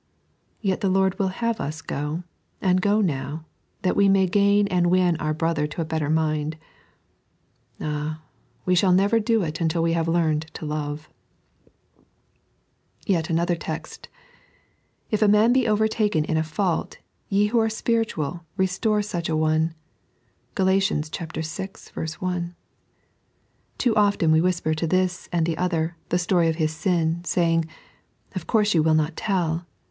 Yet the Lord will have us go, and go now, that we may gain and win our brother to a better mind. Ah, we shall never do it until we have learned to Yet another text, " If a man be overtaken in a fault, ye which are spiritual, restore such an one " (Gal. vi. 1). Too often we whisper to this and the other the story of his sin, saying ;" Of course you will not tell."